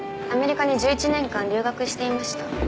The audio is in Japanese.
アメリカに１１年間留学していました。